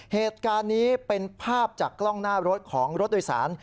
เหตุการณ์นี้เป็นภาพจากกล้องหน้ารถของรถโดยสาร